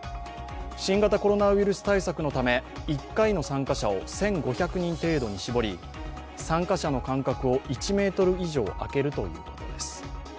新型コロナウイルス対策のため１回の参加者を１５００人程度に絞り参加者の間隔を１ｍ以上あけるということです。